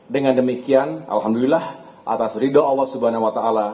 dengan demikian alhamdulillah atas ridho allah swt